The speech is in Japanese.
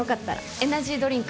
エナジードリンク。